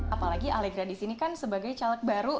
apalagi allegra disini kan sebagai caleg baru